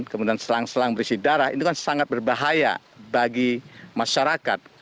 kemudian selang selang berisi darah itu kan sangat berbahaya bagi masyarakat